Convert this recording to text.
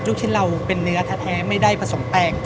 ชิ้นเราเป็นเนื้อแท้ไม่ได้ผสมแป้ง